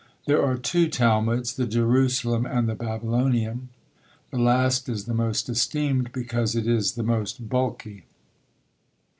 There are two Talmuds: the Jerusalem and the Babylonian. The last is the most esteemed, because it is the most bulky.